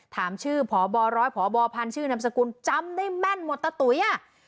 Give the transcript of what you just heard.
ถามชื่อพบรพบพชนจำได้แม่นหมดตาตุ๋ย